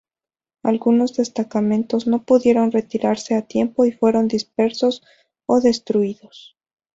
Algunos destacamentos no pudieron retirarse a tiempo y fueron dispersos o destruidos.